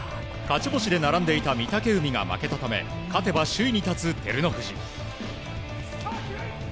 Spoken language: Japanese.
勝ち星で並んでいた御嶽海が負けたため勝てば首位に立つ照ノ富士。